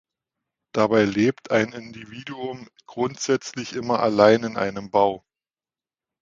Dabei lebt ein Individuum grundsätzlich immer allein in einem Bau.